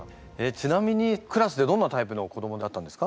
ちなみにクラスでどんなタイプの子どもだったんですか？